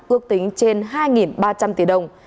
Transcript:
ước tính trên hai ba trăm linh tỷ đồng